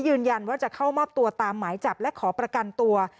ยืนยันว่าจะเข้ามอบตัวตามหมายจับและขอประกันตัว